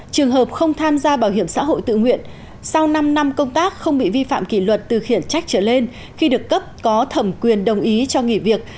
trường hợp không tham gia bảo hiểm xã hội tự nguyện sau năm năm công tác không bị vi phạm kỷ luật từ khiển trách trở lên khi được cấp có thẩm quyền đồng ý cho nghỉ việc